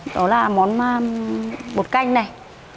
đó là món bột canh này